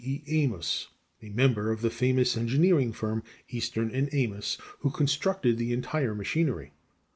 E. Amos, a member of the famous engineering firm, Easton & Amos, who constructed the entire machinery.